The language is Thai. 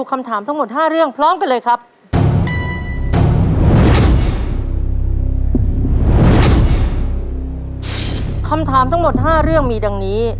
คำถามทั้งหมด๕เรื่องมีดังนี้